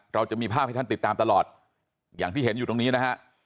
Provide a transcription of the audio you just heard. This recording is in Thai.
เราจะมีภาพให้ท่านติดตามตลอดอย่างที่เห็นอยู่ตรงนี้นะฮะ